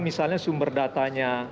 misalnya sumber datanya